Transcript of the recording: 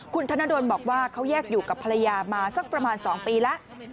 คุณธนดลบอกว่าเขาแยกอยู่กับภรรยามาสักประมาณ๒ปีแล้ว